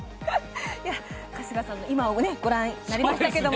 春日さんの今をご覧になりましたけど。